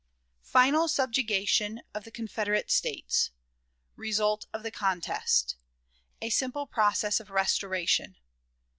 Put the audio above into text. Final Subjugation of the Confederate States. Result of the Contest. A Simple Process of Restoration.